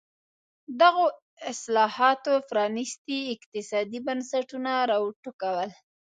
دغو اصلاحاتو پرانېستي اقتصادي بنسټونه را وټوکول.